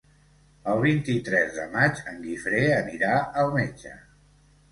El vint-i-tres de maig en Guifré anirà al metge.